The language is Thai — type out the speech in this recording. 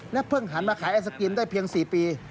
เพิ่งหันมาขายไอศกรีมได้เพียง๔ปี